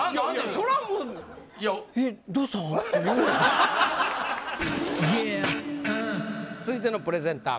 そらもう続いてのプレゼンター